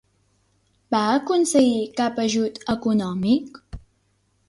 Va aconseguir cap ajut econòmic?